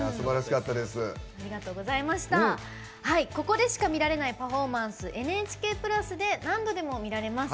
ここでしか見られないパフォーマンス「ＮＨＫプラス」で何度でも見られます。